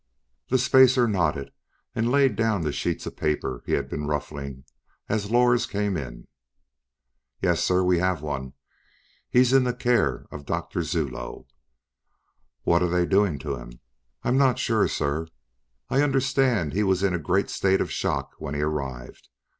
The spacer nodded and laid down the sheets of paper he had been ruffling as Lors came in. "Yes sir, we have one. He's in the care of Doctor Zuloe." "What are they doing to him?" "I'm not sure, sir. I understand he was in a great state of shock when he arrived.